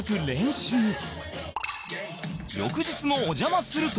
翌日もお邪魔すると